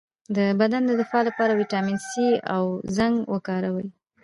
د بدن د دفاع لپاره ویټامین سي او زنک وکاروئ